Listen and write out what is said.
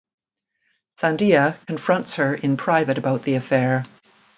Sandhya confronts her in private about the affair.